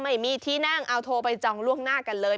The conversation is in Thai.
ไม่มีที่นั่งเอาโทรไปจองล่วงหน้ากันเลย